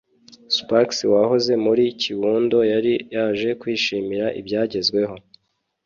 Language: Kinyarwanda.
Spax wahoze muri Kiwundo yari yaje kwishimira ibyagezweho